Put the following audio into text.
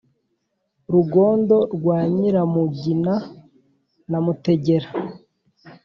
rugondo rwa nyiramugina na mutegera